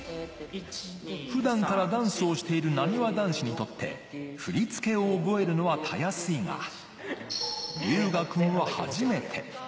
普段からダンスをしている、なにわ男子にとって、振り付けを覚えるのはたやすいが、龍芽くんは初めて。